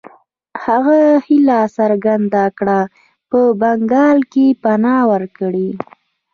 هغه هیله څرګنده کړه په بنګال کې پناه ورکړي.